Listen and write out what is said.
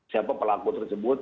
siapa pelaku tersebut